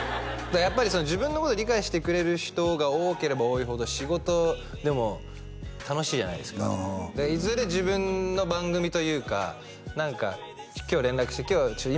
やっぱり自分のこと理解してくれる人が多ければ多いほど仕事でも楽しいじゃないですかでいずれ自分の番組というか何か今日連絡して「今日ちょっと」